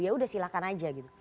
ya udah silahkan aja gitu